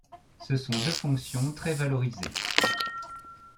Ce sont deux fonctions très valorisées.